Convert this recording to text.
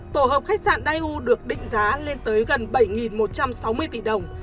tổ hợp khách sạn daiu được định giá lên tới gần bảy một trăm sáu mươi tỷ đồng